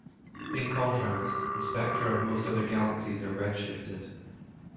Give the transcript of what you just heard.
In contrast, the spectra of most other galaxies are redshifted.